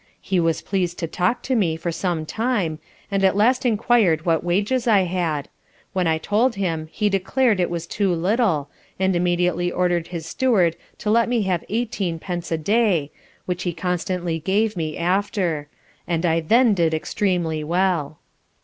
He was pleased to talk to me for some time, and at last enquired what wages I had; when I told him he declared, it was too little, and immediately ordered his Steward to let me have eighteen pence a day, which he constantly gave me after; and I then did extremely well.